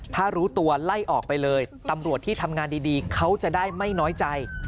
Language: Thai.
ถ้ารู้ตัวไล่ออกไปเลยตำรวจที่ทำงานดีเขาจะได้ไม่น้อยใจ